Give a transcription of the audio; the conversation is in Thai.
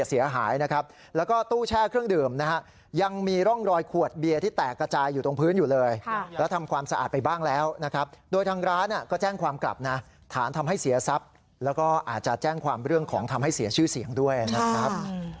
แล้วทำความสะอาดไปบ้างแล้วนะครับโดยทางร้านก็แจ้งความกลับนะฐานทำให้เสียทรัพย์แล้วก็อาจจะแจ้งความเรื่องของทำให้เสียชื่อเสียงด้วยนะครับ